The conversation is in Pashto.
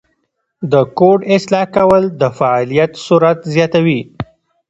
د کوډ اصلاح کول د فعالیت سرعت زیاتوي.